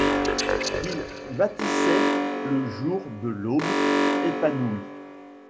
Qu’il bâtissait le jour que l’aube épanouit